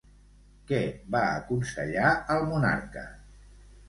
Què va aconsellar al monarca?